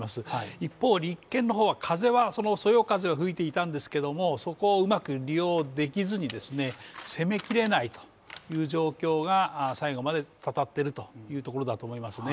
一方、立憲の方は、そよ風が吹いてたんですけどそこをうまく利用できずに攻めきれないという状況が最後までたたっているところだと思いますね。